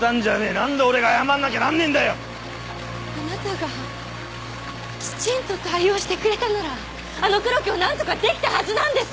なんで俺が謝んなきゃあなたがきちんと対応してくれたならあの黒木をなんとかできたはずなんです！